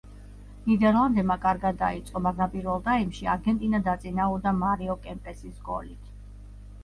ნიდერლანდებმა კარგად დაიწყო, მაგრამ პირველ ტაიმში არგენტინა დაწინაურდა მარიო კემპესის გოლით.